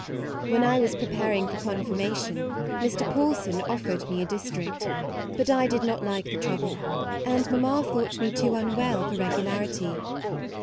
When I was preparing for confirmation Mr. Paul son offered me a district ; but I did not like the trouble, and mamma thought me too unwell for regularity.